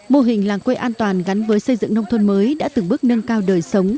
mô hình làng quê an toàn gắn với xây dựng nông thôn mới đã từng bước nâng cao đời sống